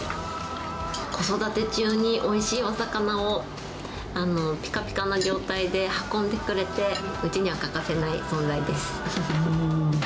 子育て中においしいお魚をぴかぴかな状態で運んでくれて、うちには欠かせない存在です。